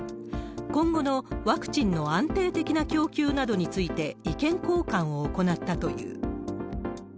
今後のワクチンの安定的な供給などについて意見交換を行ったという。